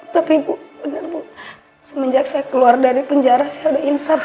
tapi bu bener bu semenjak saya keluar dari penjara saya udah insap